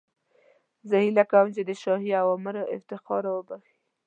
زه هیله کوم چې د شاهي اوامرو افتخار را وبخښئ.